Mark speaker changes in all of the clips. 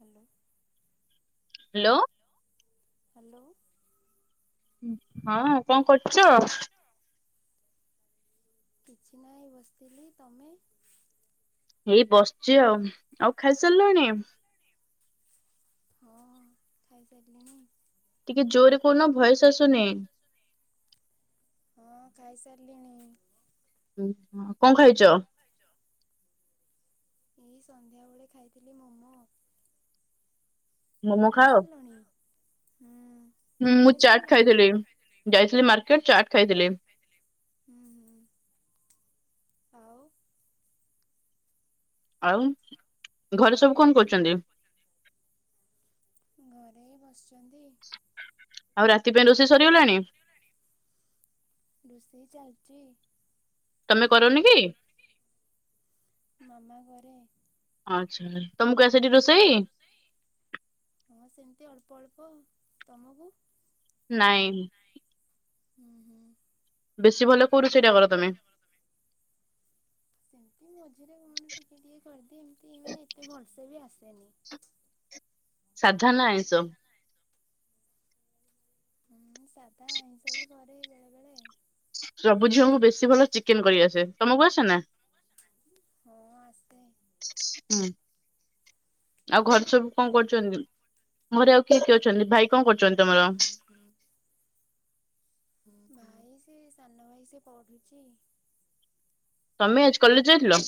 Speaker 1: Hello.
Speaker 2: Hello
Speaker 1: hello.
Speaker 2: ହଁ କଣ କରୁଚ?
Speaker 1: କିଛି ନାହିଁ ବସିଥିଲି ତମେ?
Speaker 2: ଏଇ ବସଚି ଆଉ, ଆଉ ଖାଇସାରିଲଣି?
Speaker 1: ହଁ ଖାଇସାରିଲିଣି।
Speaker 2: ଟିକେ ଜୋରରେ କହୁନ ଭଏସ୍ ଆସୁନି।
Speaker 1: ହଁ ଖାଇସାରିଲିଣି।
Speaker 2: କଣ ଖାଇଚ?
Speaker 1: ଖାଇଛ? ଏଇ ସନ୍ଧ୍ୟାବେଳେ ଖାଇଥିଲି ମୋମୋ।
Speaker 2: ମୋମୋ
Speaker 1: ତମେ
Speaker 2: ଖାଅ?
Speaker 1: ଖାଇସାରିଲଣି?
Speaker 2: ହୁଁ
Speaker 1: ତମେ
Speaker 2: ମୁଁ
Speaker 1: ଖାଇ
Speaker 2: ଚାଟ
Speaker 1: ସାରିଲଣି?
Speaker 2: ଖାଇଥିଲି। ଯାଇଥିଲି ମାର୍କେଟ ଚାଟ ଖାଇଥିଲି।
Speaker 1: ହୁଁ ହୁଁ ଆଉ
Speaker 2: ଆଉ ଘରେ ସବୁ କଣ କରୁଛନ୍ତି?
Speaker 1: ଘରେ ବସିଛନ୍ତି।
Speaker 2: ଆଉ ରାତି ପାଇଁ ରୋଷେଇ ସରିଗଲାଣି?
Speaker 1: ରୋଷେଇ ଚାଲିଛି
Speaker 2: ତମେ କରନି କି
Speaker 1: ମାମା ଘରେ
Speaker 2: ଆଛା। ତମକୁ ଆସେଟି ରୋଷେଇ?
Speaker 1: ହମ ସେମିତି ଅଳ୍ପ ଅଳ୍ପ ତମକୁ?
Speaker 2: ନାଇଁ।
Speaker 1: ନାଇଁ।
Speaker 2: ବେଶି ଭଲ କୋଉ ରୋଷେଇଟା କର ତମେ?
Speaker 1: ସେମିତି ମଝିରେ କଣ ଟିକେ ଟିକେ କରିଦିଏ ଏମିତି ମାନେ ଏତେ ଭଲସେ ବି ଆସେନି।
Speaker 2: ସାଧା ନା ଆଇଁଷ?
Speaker 1: ହୁଁ ସାଧା ଆଇଁଷ ବି କରେ ବେଳେ ବେଳେ।
Speaker 2: ସବୁ ଝିଅଙ୍କୁ ବେଶୀ ଭଲ ଚିକେନ କରିଆସେ ତମକୁ ଆସେ ନା?
Speaker 1: ହଁ ଆସେ।
Speaker 2: ହୁଁ। ଆଉ ଘରେ ସବୁ କଣ କରୁଛନ୍ତି ଘରେ ଆଉ କିଏ କିଏ ଅଛନ୍ତି ଭାଇ କଣ କରୁଛନ୍ତି ତମର?
Speaker 1: ହୁଁ। ଭାଇ ସେ ସାନ ଭାଇ ସେ ପଢୁଛି।
Speaker 2: ତମେ ଆଜି କଲେଜ ଯାଇଥିଲ?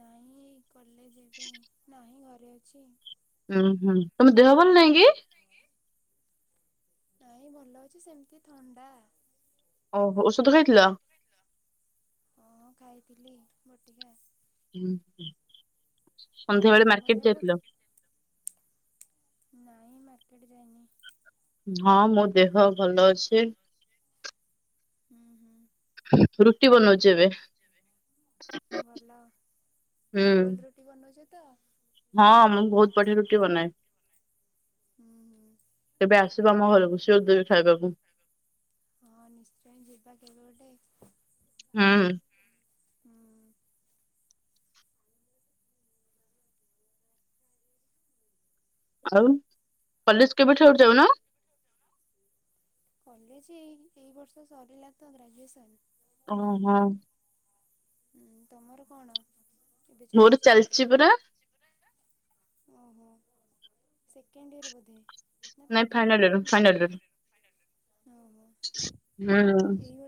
Speaker 1: ନାଇଁ କଲେଜ ଯିବେ ନାହିଁ ଘରେ ଅଛି।
Speaker 2: ହୁଁ ହୁଁ ତମ ଦେହ ଭଲ ନାଇଁ କି?
Speaker 1: ନାଇଁ ଭଲ ଅଛି ସେମିତି ଥଣ୍ଡା।
Speaker 2: ଓହୋ ଔଷଧ ଖାଇଥିଲ?
Speaker 1: ହଁ ଖାଇଥିଲି ବଟିକା। ଆଉ
Speaker 2: ସନ୍ଧ୍ୟାବେେଳେ
Speaker 1: ତମ ଦେହ
Speaker 2: ମାର୍କେଟ
Speaker 1: ଭଲ
Speaker 2: ଯାଇଥିଲ?
Speaker 1: ନାଇଁ ମାର୍କେଟ ଯାଇନି।
Speaker 2: ହଁ ମୋ ଦେହ ଭଲ ଅଛି।
Speaker 1: ହୁଁ ହୁଁ
Speaker 2: ରୁଟି ବନଉଚି ଏବେ।
Speaker 1: ଭଲ
Speaker 2: ହୁଁ
Speaker 1: ଗୋଲ ରୁଟି ବନଉଚ ତ?
Speaker 2: ହଁ ମୁଁ ବହୁତ ବଢିଆ ରୁଟି ବନାଏ।
Speaker 1: ହୁଁ ହୁଁ
Speaker 2: କେବେ ଆସିବା ଆମ ଘରକୁ ସିୱର ଦେବି ଖାଇବାକୁ।
Speaker 1: ହଁ ନିଶ୍ଚୟ ଯିବା କେବେ ଗୋଟେ?
Speaker 2: ହୁଁ।
Speaker 1: ହୁଁ
Speaker 2: ଆଉ କଲେଜ କେବେଠାରୁ ଯାଉନ?
Speaker 1: କଲେଜ ଏଇ ଏଇ ବର୍ଷ ସରିଲା ତ ଗ୍ରାଜୁଏସନ।
Speaker 2: ଓ ହୋ।
Speaker 1: ହୁଁ ତମର କଣ ଏବେ
Speaker 2: ମୋର
Speaker 1: ଚାଲିଛି?
Speaker 2: ପରା
Speaker 1: ଓହୋ ସେକେଣ୍ଡ ଇୟର ବୋଧେ? ନା
Speaker 2: ନାଇଁ
Speaker 1: third year
Speaker 2: final year final year.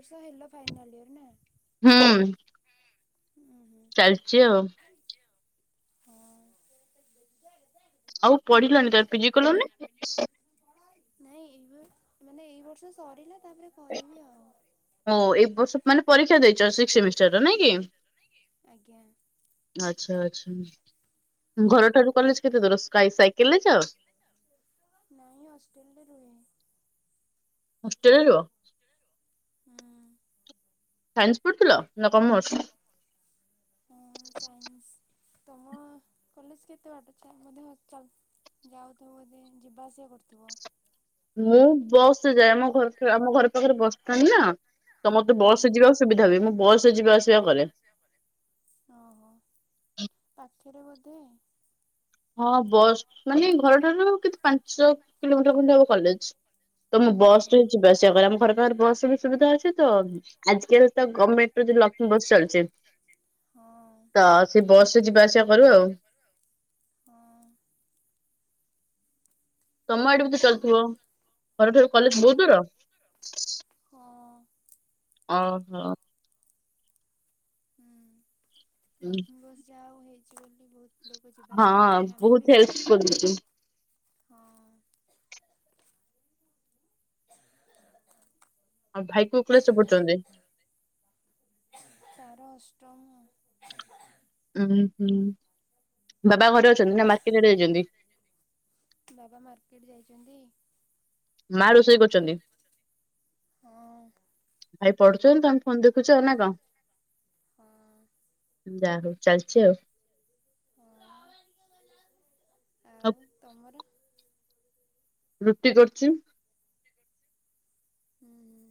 Speaker 1: ସେ ହେଲା ଫାଇନାଲ୍ ଇୟର ନା?
Speaker 2: ହୁଁ।
Speaker 1: ଉଁ ହୁଁ।
Speaker 2: ଚାଲିଛି ଆଉ।
Speaker 1: ଚାଲିଛି ଆଉ। ହଁ।
Speaker 2: ଆଉ ପଢିଲନି ତମେ ପିଜି କଲନି?
Speaker 1: ନାଇଁ ଏଇ [inaudible] ମାନେ ଏଇ ବର୍ଷ ସରିଲା ତାପରେ କରିବି ଆଉ।
Speaker 2: ଓ ଏ ବର୍ଷ ମାନେ ପରୀକ୍ଷା ଦେଇଛ ସିକ୍ସ ସେମିଷ୍ଟାରର ନାଇଁ କି?
Speaker 1: ଆଜ୍ଞା।
Speaker 2: ଆଚ୍ଛା ଆଚ୍ଛା,
Speaker 1: ହୁଁ
Speaker 2: ଘରଠାରୁ କଲେଜ କେତେ ଦୂର ସ୍କାଇ ସାଇକେଲରେ ଯାଅ?
Speaker 1: ନାଇଁ ହଷ୍ଟେଲରେ ରୁହେ।
Speaker 2: ହଷ୍ଟେଲେ ରୁହ?
Speaker 1: ଉଁ-ଉଁ-ଉଁ।
Speaker 2: ସାଇନ୍ସ ପଢୁଥିଲ ନା କମର୍ସ?
Speaker 1: ହଁ ସାଇନ୍ସ, ତମ କଲେଜ କେତେ ବାଟ ଚାଲ୍ ବୋଧେ ଚାଲ୍ ଯାଉଥିବ ବୋଧେ ଯିବା ଆସିବା କରୁଥିବ?
Speaker 2: ମୁଁ ବସରେ ଯାଏ ଆମ ଘରଠି ଆମ ଘର ପାଖରେ ବସଷ୍ଟାଣ୍ଡ ନା। ତ ମତେ
Speaker 1: ହୁଁ
Speaker 2: ବସରେ
Speaker 1: ହୁଁ
Speaker 2: ଯିବାକୁ ସୁବିଧା ହୁଏ, ମୁଁ ବସରେ ଯିବା ଆସିବା କରେ।
Speaker 1: [inaudible] ଓହୋଃ ପାଖରେ ବୋଧେ?
Speaker 2: ହଁ ବସ୍ ମାନେ ଘରଠାରୁ କେତେ ପାଞ୍ଚ କିଲୋମିଟର ଖଣ୍ଡେ ହବ କଲେଜ। ତ ମୁଁ ବସରେ
Speaker 1: ଓହୋ
Speaker 2: ଯିବାଆସିବା କରେ ଆମ ଘର ପାଖରେ ବସର ସୁବିଧା ଅଛି ତ। ଆଜିକାଲି ତ ଗମେଣ୍ଟର ଯୋଉ ଲକ୍ଷ୍ମୀ ବସ୍ ଚାଲିଛି।
Speaker 1: ହଁ।
Speaker 2: ତ ସେ ବସରେ ଯିବା ଆସିବା କରୁ ଆଉ।
Speaker 1: ହଁ।
Speaker 2: ତମ ଆଡେ ବି ତ
Speaker 1: ହୁଁ।
Speaker 2: ଚାଲୁଥିବ ଘରଠୁ କଲେଜ
Speaker 1: ହଁ
Speaker 2: ବହୁତ ଦୂର?
Speaker 1: ହଁ।
Speaker 2: ଓହୋଃ।
Speaker 1: ହୁଁ ଉଁ, ଲକ୍ଷ୍ମୀ ବସ୍ ଯାଆ ହଉ ହେଇଛି ବୋଲି ବହୁତ୍ ଲୋକ ଯିବା ଆସିବା
Speaker 2: ହଁ
Speaker 1: କରୁଛନ୍ତି, ଆମେ ବି
Speaker 2: ବହୁତ ହେଲ୍ପ
Speaker 1: ଯାଉ,
Speaker 2: କରୁଛି।
Speaker 1: ହଁ।
Speaker 2: ଆଉ ଭାଇ କୋଉ କ୍ଲାସ୍ ରେ ପଢୁଛନ୍ତି?
Speaker 1: ତାର ଅଷ୍ଟମ।
Speaker 2: ଉଁହୁଁ ହୁଁ, ବାବା ଘରେ ଅଛନ୍ତି ନା ମାର୍କେଟ ଆଡେ ଯାଇଛନ୍ତି?
Speaker 1: ବାବା ମାର୍କେଟ ଯାଇଛନ୍ତି।
Speaker 2: ମା ରୋଷେଇ କରୁଛନ୍ତି
Speaker 1: ହଁ।
Speaker 2: ଭାଇ ପଢୁଛନ୍ତି ତମେ ଫୋନ୍ ଦେଖୁଛ ନା କଣ?
Speaker 1: ହଁ।
Speaker 2: ଯା ହଉ ଚାଲିଛି ଆଉ।
Speaker 1: ହଁ ଆଉ ତମର?
Speaker 2: ରୁଟି କରୁଚୁ।
Speaker 1: ହୁଁ ଉଁ,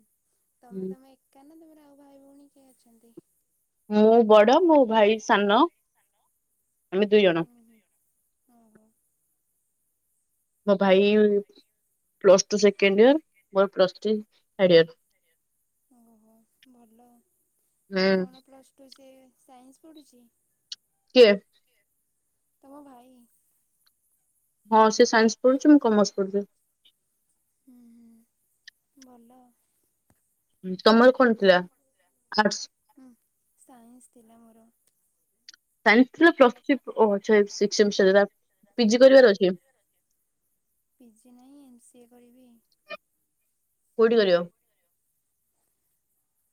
Speaker 1: ତମେ ତମେ ଏକା ନା ତମର ଆଉ ଭାଇ ଭଉଣୀ କିଏ ଅଛନ୍ତି?
Speaker 2: ମୁଁ ବଡ ମୋ ଭାଇ ସାନ ଆମେ ଦି ଜଣ।
Speaker 1: ଓହୋଃ।
Speaker 2: ମୋ ଭାଇ ପ୍ଲସ ଟୁ ସେକେଣ୍ଡ ଇଅର ମୋର ପ୍ଲସ ଥ୍ରୀ ଥାର୍ଡଇଅର
Speaker 1: ଓହୋ ଭଲ
Speaker 2: ହୁଁ
Speaker 1: କଣ ପ୍ଲସ୍ ଟୁ ସିଏ ସାଇନ୍ସ ପଢ଼ୁଛି?
Speaker 2: କିଏ?
Speaker 1: ତୁମ ଭାଇ
Speaker 2: ହଁ ସିଏ ସାଇନ୍ସ ପଢ଼ୁଛି ମୁଁ କମର୍ସ ପଢ଼ିଲି।
Speaker 1: ହୁଁ ହୁଁ ଭଲ
Speaker 2: ତମର କଣ ଥିଲା ଆର୍ଟସ?
Speaker 1: ହୁଁ ସାଇନ୍ସ ଥିଲା ମୋର।
Speaker 2: ସାଇନ୍ସ ରେ ପ୍ଲସ୍ ଥ୍ରି ଓହୋ ଆଛା [unintelligible] ସିକ୍ସ ସେମିଷ୍ଟରରେ [unintelligible] ପିଜି କରିବାରେ ଅଛି?
Speaker 1: ପିଜି ନାହିଁ ଏମ ସି ଏ କରିବି।
Speaker 2: କୋଉଠି କରିବ?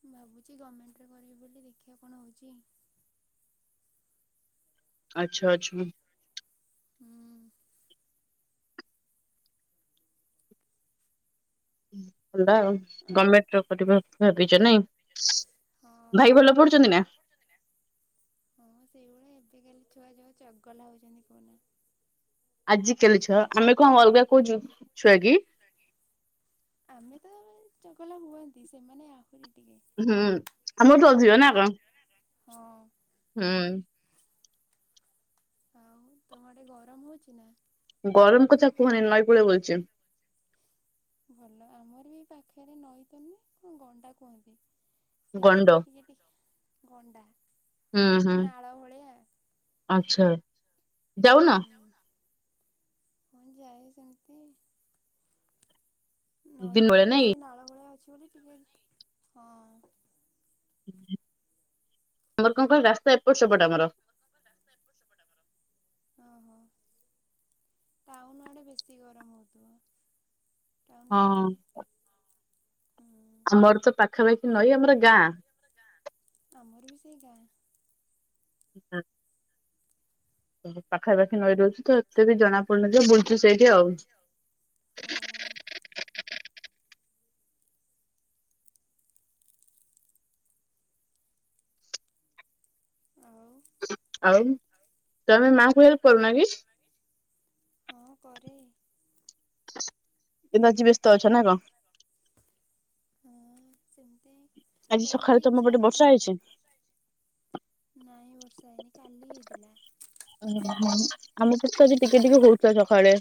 Speaker 1: ମୁଁ ଭାବୁଛି ଗମେଣ୍ଟରେ କରିବି ବୋଲି ଦେଖିବା କଣ ହଉଛି।
Speaker 2: ଆଚ୍ଛା ଆଚ୍ଛା ହୁଁ।
Speaker 1: ହୁଁ।
Speaker 2: ହେଲା ଆଉ
Speaker 1: ଆ
Speaker 2: ଗମେଣ୍ଟର କରିବା ଭାବିଛ ନାଇଁ?
Speaker 1: ହଁ।
Speaker 2: ଭାଇ ଭଲ ପଢୁଛନ୍ତି ନା?
Speaker 1: ହଁ ସେଇଭଳିଆ ଏବେ କାଲି ଛୁଆ ଯୋଉ ଚଗଲା ହଉଛନ୍ତି କହୁନା।
Speaker 2: ଆଜି କାଲି ଛୁଆ, ଆମେ କଣ ଅଲଗା କୋଉ ଯୁ ଛୁଆ କି?
Speaker 1: ଛୁଆ କି? ଆମେ ତ ଚଗଲ ହୁଅନ୍ତି ସେମାନେ ଆହୁରି ଟିକେ।
Speaker 2: ହୁଁ ଆମଠୁ ଅଧିକ
Speaker 1: ହୁଁ।
Speaker 2: ନା କଣ?
Speaker 1: ହଁ।
Speaker 2: ହୁଁ।
Speaker 1: ଆଉ? ତମ ଆଡେ ଗରମ ହଉଛିି ନା?
Speaker 2: ଗରମ କଥା କୁହନି ନଈକୂଳେ ବଇଚି।
Speaker 1: ଭଲ ଆମର ବି ପାଖରେ ନଈ ତ ନୁହେଁ କଣ ଗଣ୍ଡା କୁହନ୍ତି।
Speaker 2: ଗଣ୍ଡ
Speaker 1: ସେମିତି ଟିକେ ଟିକ, ଗଣ୍ଡା
Speaker 2: ହୁଁ ହୁଁ
Speaker 1: ନାଳ ଭଳିଆ।
Speaker 2: ଆଚ୍ଛା। ଯାଉନ
Speaker 1: ହୁଁ ମୁଁ ଯାଏ ସେମିତି
Speaker 2: ଦିନ
Speaker 1: ନଈଟା
Speaker 2: ବେଳେ ନାଇଁ
Speaker 1: ସେଇ ନାଳ ଭଳିଆ ଅଛି ବୋଲି ଟିକେ ହଁ।
Speaker 2: ଆମର କଣ କହିଲୁ ରାସ୍ତା ଏପଟ ସେପଟ ଆମର।
Speaker 1: ଓ ହୋ। ଟାଉନ ଆଡେ ବେଶୀ ଗରମ ହଉଥିବ ଟାଉନ
Speaker 2: ହଁ
Speaker 1: ଏରିଆରେ ହୁଁ
Speaker 2: ଆମର ତ ପାଖାପାଖି ନଈ ଆମର ଗାଁ
Speaker 1: ଆମର ବି ସେଇ ଗାଁ।
Speaker 2: ହ ହଁ ଓହୋ ପାଖାପାଖି ନଈ ରହୁଛି ତ ଏତେ ବି ଜଣା ପଡୁ ନାଇଁ ଯେ ବୁଲୁଚୁ ସେଇଠି ଆଉ।
Speaker 1: ହଁ ଆଉ?
Speaker 2: ଆଉ ତମେ ମା କୁ ହେଲ୍ପ କରୁନା କି?
Speaker 1: ହଁ କରେ।
Speaker 2: [unintelligible] ଆଜି ବ୍ୟସ୍ତ ଅଛ ନା କଣ।
Speaker 1: ହଁ ସେମିତି
Speaker 2: ଆଜି
Speaker 1: ବେଳେ
Speaker 2: ସକାଳେ
Speaker 1: ବେଳେ
Speaker 2: ତମ
Speaker 1: ଇଚ୍ଛା
Speaker 2: ପଟେ
Speaker 1: ହେଲେ
Speaker 2: ବର୍ଷା
Speaker 1: କରେ।
Speaker 2: ହେଇଛି?
Speaker 1: ନାଇଁ ବର୍ଷା ହେଇନି କାଲି ହେଇଥିଲା।
Speaker 2: ଓହୋ ଆମ ସେ ତ ବି ଟିକେ ଟିକେ ହଉଥିଲା ସକାଳେ?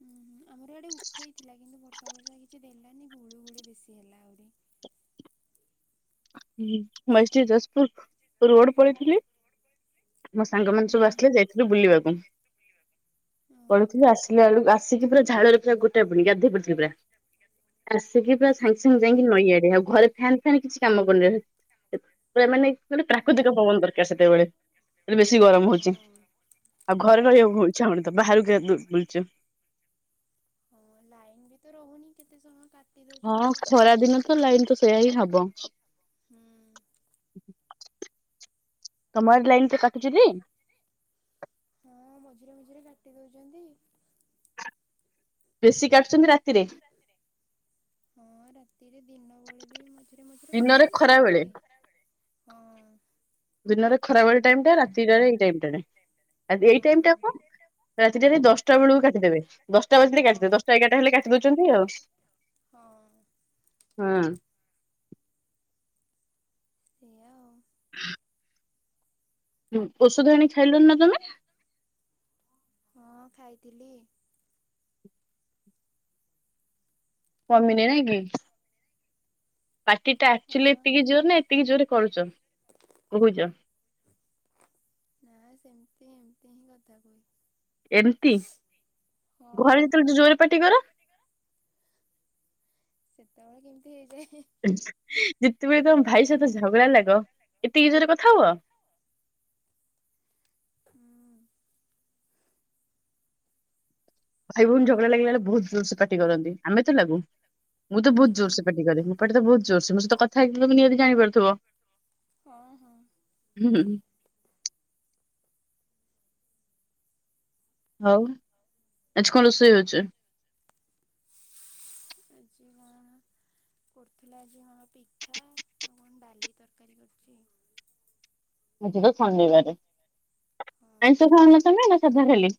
Speaker 1: ହୁଁ ହୁଁ ଆମର ଇଆଡେ ଉଠେଇଥିଲା କିନ୍ତୁ ବର୍ଷା ଫର୍ଷା କିଛି ଦେଲାନି ଗୁଳୁ ଗୁଳି ବେଶୀ ହେଲା ଆହୁରି।
Speaker 2: ହଁ ଆଜି ଟିକେ ଯାଜପୁର ରୋଡ୍ ପଳେଇଥିଲି। ମୋ ସାଙ୍ଗମାନେ
Speaker 1: ହୁଁ
Speaker 2: ସବୁ
Speaker 1: ହୁଁ
Speaker 2: ଆସିଥିଲେ ଯାଇଥିଲୁ ବୁଲିବାକୁ। ପଢୁଥିଲି ଆସିଲା ବେଳକୁ ଆସିକି ପୁରା ଝାଳରେ ପୁରା ଗୋଟା ବୁଡି ଗାଧୋଇ ପଡିଥିଲି ପୁରା। ଆସିକି ପୁରା ସାଙ୍ଗେ ସାଙ୍ଗେ ଯାଇଁକି
Speaker 1: ଓହୋ
Speaker 2: ନଈଆଡେ। ଆଉ ଘରେ ଫ୍ୟାନ୍ ଫ୍ୟାନ୍ କିଛି କାମ କରୁନି। ପୁରା ମାନେ ମାନେ
Speaker 1: ହଁ ହଁ
Speaker 2: ପ୍ରାକୃତିକ ପବନ ଦରକାର ସେତେବେଳେ। ଏ ବେଶୀ ଗରମ ହଉଚି।
Speaker 1: ହଁ
Speaker 2: ଆଉ ଘରେ
Speaker 1: ହଁ।
Speaker 2: ରହିବାକୁ ଇଛା ହଉନି ତ ବାହାରେ ଖା ବୁଲୁଚୁ।
Speaker 1: ହଁ। ଲାଇ ମୁଁ ବି ତ ରହୁନି କେତେ ସମୟ କା
Speaker 2: ହଁ ଖରା ଦିନ ତ ଲାଇନ୍ ତ ସେଇୟା ହିଁ ହବ। ତମ ଆଡେ ଲାଇନ୍ ତ କାଟୁଚି ଟି?
Speaker 1: ହଁ ମଝିରେ ମଝିରେ କାଟି ଦଉଚନ୍ତି।
Speaker 2: ବେଶୀ କାଟୁଛନ୍ତି ରାତିରେ।
Speaker 1: ହଁ ରାତିରେ ଦିନ ବେଳେ ବି ମଝିରେ ମଝିରେ
Speaker 2: ଦିନରେ
Speaker 1: କାଟନ୍ତି
Speaker 2: ଖରା
Speaker 1: ସେମତି।
Speaker 2: ବେଳେ।
Speaker 1: ହଁ।
Speaker 2: ଦିନରେ ଖରା ବେଳ ଟାଇମ୍ ଟା। ରାତି ଟାରେ ଏଇ ଟାଇମ୍ ଟାରେ। ଆ ଏଇ
Speaker 1: ହଁ
Speaker 2: ଟାଇମ୍ ଟା କଣ ରାତିଟାରେ ଦଶଟା ବେଳକୁ କାଟିଦେବେ। ଦଶଟା ବାଜିଲେ କାଟିଦେବେ।
Speaker 1: ହଁ।
Speaker 2: ଦଶଟା ଏଗାରଟା ହେଲେ କାଟି ଦଉଛନ୍ତି ଆଉ।
Speaker 1: ହଁ
Speaker 2: ହଁ।
Speaker 1: ସେଇଆ ଆଉ।
Speaker 2: ହଁ ଔଷଧ ଆଣି ଖାଇଲନି ନା ତମେ?
Speaker 1: ହଁ ଖାଇଥିଲି।
Speaker 2: କମିନି ନାଇଁ କି? ପାର୍ଟି ଟା ଆକ୍ଚୁଆଲି
Speaker 1: ହଁ।
Speaker 2: ଏତିକି ଜୋରେ ନା ଏତିକି ଜୋରେ କରୁଚ କହୁଚ?
Speaker 1: ନାଁ ସେମତି ଏମତି ହିଁ କଥା କୁହେ।
Speaker 2: ଏମତି। ଘରେ
Speaker 1: ହଁ।
Speaker 2: ଯେତେବେଳେ ତ ଜୋରେ ପାଟି କର।
Speaker 1: ସେତେବେଳେ କେମିତି ହେଇଯାଏ।
Speaker 2: ଯେତେବେଳେ ତମ ଭାଇ ସହିତ ଝଗଡା ଲାଗ, ଏତିକି ଜୋରେ କଥା ହୁଅ?
Speaker 1: ହୁଁ।
Speaker 2: ଭାଇ ଭଉଣୀ ଝଗଡ଼ା ଲାଗିଲା ବହୁତ୍ ଜୋରସେ ପାଟି କରନ୍ତି। ଆମେ ତ ଲାଗୁ। ମୁଁ ତ ବହୁତ ଜୋରସେ ପାଟିିକରେ। ମୋ ପାଟି ତ ବହୁତ୍ ଜୋର୍ ସେ। ମୋ ସହିତ କଥା ହେଇକି ତମେ ନିହାତି ଜାଣିପାରୁଥିବ।
Speaker 1: ହଁ ହଁ।
Speaker 2: ହୁଁ ଆଉ ଆଜି କଣ ରୋଷେଇ ହଉଚି?
Speaker 1: ଆଜି କଣ କରୁଥିଲା ଆଜି କଣ ପିଠା ଆଉ କଣ ଡାଲି ତରକାରୀ କରିଚି।
Speaker 2: ଆଜି ତ ଶନିବାରେ।
Speaker 1: ହଁ।
Speaker 2: ଆଇଁଷ ଖାଉନ ତମେ ସାଧା ଖାଲି?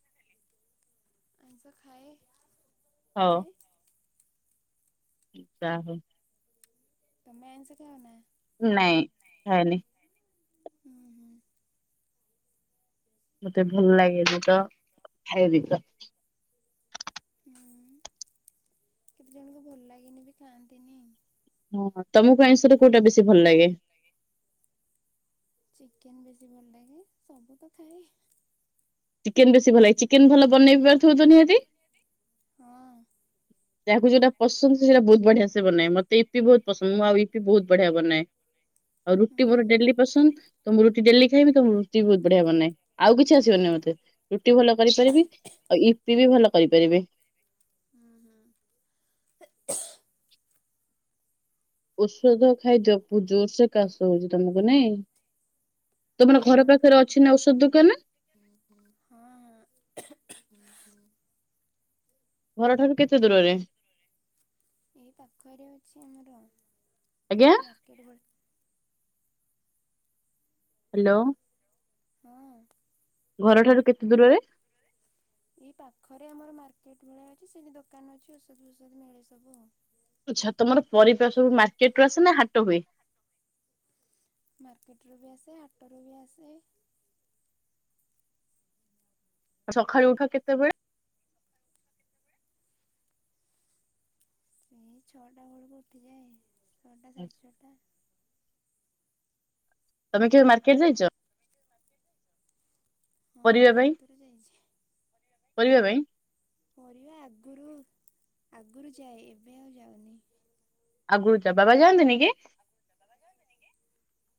Speaker 1: ଆଇଁଷ ଖାଏ।
Speaker 2: ହଉ
Speaker 1: ତମେ?
Speaker 2: ଯା ହଉ।
Speaker 1: ତମେ ଆଇଁଷ ଖାଓନା?
Speaker 2: ନାଇଁ ଖାଏନି।
Speaker 1: ହୁଁ ହୁଁ
Speaker 2: ମତେ ଭଲ ଲାଗେନି ତ ଖାଏନି ତ।
Speaker 1: ହୁଁ କେତେ ଜଣଙ୍କୁ ଭଲ ଲାଗେନି ବି ଖାଆନ୍ତିନି।
Speaker 2: ହଁ। ତମକୁ ଆଇଁଷ ରେ କୋଉଟା ବେଶୀ ଭଲ ଲାଗେ?
Speaker 1: ଚିକେନ୍ ବେଶୀ ଭଲ ଲାଗେ। ସବୁ ତ ଖାଏ।
Speaker 2: ଚିକେନ୍ ବେଶୀ ଭଲ ଲାଗେ। ଚିକେନ୍ ଭଲ ବନେଇ ପାରୁଥିବ ତ ନିହାତି?
Speaker 1: ହଁ।
Speaker 2: ତାକୁ ଯୋଉଟା ପସ ସେଇଟା ବହୁତ ବଢିଆ ସେ ବନାଏ ମତେ ଇପି ବହୁତ ପସନ୍ଦ ମୁ ଆଉ ଇପି ବହୁତ ବଢିଆ ବନାଏ। ଆଉ ରୁଟି ମୋର
Speaker 1: ହୁଁ।
Speaker 2: ଡେଲି ପସନ୍ଦ ତ ମୁଁ ରୁଟି ଡେଲି ଖାଇବି ତ ମୁଁ ରୁଟି ବି ବହୁତ ବଢିଆ ବନାଏ ଆଉ କିଛି ଆିସିବନି ମତେ ରୁଟି ଭଲ କରିପାରିବି ଆଉ ଇପି ବି ଭଲ କରିପାରିବେ।
Speaker 1: ହୁଁ ହୁଁ।
Speaker 2: ଔଷଧ ଖାଇଦିଅ ବହୁତ ଜୋର ସେ କାଶ ହଉଛି ତମକୁ ନାଇଁ। ତମର ଘର ପାଖରେ ଅଛି ନା ଔଷଧ ଦୋକାନ?
Speaker 1: ହୁଁ ହୁଁ ହଁ ହଁ। ହୁଁ ହୁଁ [unintelligible]
Speaker 2: ଘର ଠାରୁ କେତେ ଦୂରରେ?
Speaker 1: ଏଇ ପାଖରେ ଅଛି ଆମର।
Speaker 2: ଆଜ୍ଞା।
Speaker 1: କେଡ଼େ ବଡ଼
Speaker 2: ହ୍ୟାଲୋ।
Speaker 1: ହଁ
Speaker 2: ଘର ଠାରୁ କେତେ ଦୂରରେ?
Speaker 1: ଏଇ ପାଖରେ ଆମର ମାର୍କେଟ ଭଳିଆ ଅଛି ସେଠି ଦୋକାନ ଅଛି ଔଷଧ ଫଷଧ ମିଳେ ସବୁ ଆଉ।
Speaker 2: ଆଚ୍ଛା ତମର ପରିବା ସବୁ ମାର୍କେଟ ରୁ ଆସ ନା ହାଟ ହୁଏ?
Speaker 1: ମାର୍କେଟରୁୁ ବି ଆସେ ହାଟରୁ ବି ଆସେ।
Speaker 2: ଆଉ ସଖାଳୁ ଉଠ କେତେବେଳେ?
Speaker 1: ଏଇ ଛଅଟା ବେଳକୁ ଉଠିଯାଏ ଛଅଟା ସାଢ଼େ ଛଅଟା।
Speaker 2: ତମେ କେବେ ମାର୍କେଟ ଯାଇଛ
Speaker 1: ହଁ
Speaker 2: ପରିବା
Speaker 1: ବହୁତ
Speaker 2: ପାଇଁ।
Speaker 1: ଥର ଯାଇଛି
Speaker 2: ପରିବା ପାଇଁ।
Speaker 1: ପରିବା ଆଗରୁ ଆଗରୁ ଯାଏ ଏବେ ଆଉ ଯାଉନି।
Speaker 2: ଆଗରୁ ଯାଆ ବାବା ଯାଆନ୍ତିନି କି?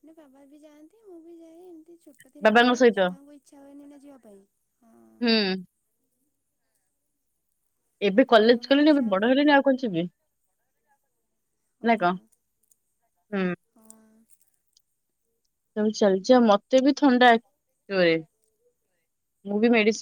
Speaker 1: ମୁଁ କରନି ବାବା ବି ଯାଆନ୍ତି ମୁଁ ବି ଯାଏ। ଛୋଟ
Speaker 2: ବାବାଙ୍କ
Speaker 1: ଥିଲାବେଳେ
Speaker 2: ସହିତ
Speaker 1: ଛୁଆଙ୍କୁ ଇଚ୍ଛା ହୁଏନି ନା ଯିବା ପାଇଁ ହଁ।
Speaker 2: ହୁଁ। ଏବେ କଲେଜ
Speaker 1: ତମେ ବି
Speaker 2: କଲେଣିି ଏବେ
Speaker 1: ଯାଅ
Speaker 2: ବଡ
Speaker 1: ବୋଧେ
Speaker 2: ହେଲେଣିି ଆଉ କଣ ଯିବି। ନାଇଁ କହ
Speaker 1: ହଁ
Speaker 2: ହୁଁ।
Speaker 1: ହଁ।
Speaker 2: ଚାଲିଚି ଆଉ ମତେ ବି ଥଣ୍ଡା ହୁଏ ମୁଁ ବି ମେଡିସି